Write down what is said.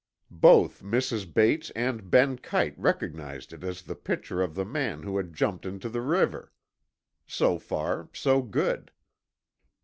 Both Mrs. Bates and Ben Kite recognized it as the picture of the man who had jumped into the river. So far, so good.